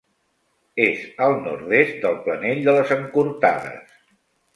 És al nord-est del Planell de les Encortades.